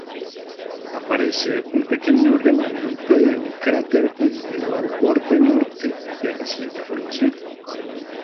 Aparece un pequeño remanente de un cráter unido al borde norte de reciente formación.